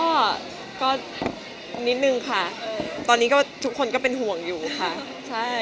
ก็ก็นิดนึงค่ะตอนนี้ก็ทุกคนก็เป็นห่วงอยู่ค่ะใช่